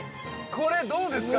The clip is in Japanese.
これ、どうですか？